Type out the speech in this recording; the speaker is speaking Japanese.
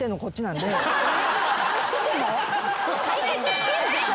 解決してんじゃん。